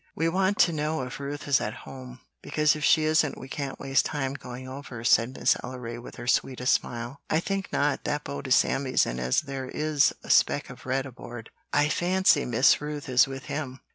We want to know if Ruth is at home, because if she isn't we can't waste time going over," said Miss Ellery, with her sweetest smile. "I think not. That boat is Sammy's, and as there is a speck of red aboard, I fancy Miss Ruth is with him.